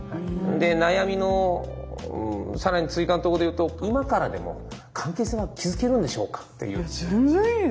で悩みの更に追加のところで言うと今からでも関係性は築けるんでしょうかっていう。